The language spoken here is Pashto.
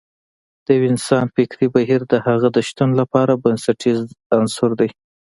د يو انسان فکري بهير د هغه د شتون لپاره بنسټیز عنصر دی.